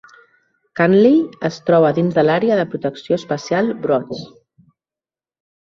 Cantley es troba dins de l'àrea de protecció especial Broads.